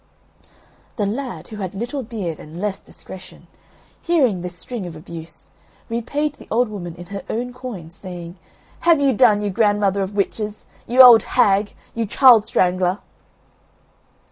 The lad, who had little beard and less discretion, hearing this string of abuse, repaid the old woman in her own coin, saying, "Have you done, you grandmother of witches, you old hag, you child strangler!"